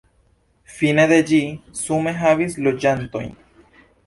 Fine de ĝi sume havis loĝantojn.